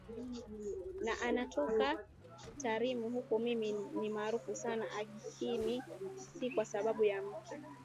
na anatoka Tarime Huko mimi ni maarufu sana lakini si kwa sababu ya mke